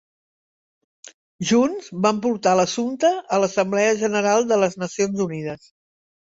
Junts van portar l'assumpte a l'Assemblea General de les Nacions Unides.